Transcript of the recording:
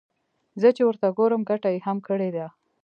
زه چې ورته ګورم ګټه يې هم کړې ده.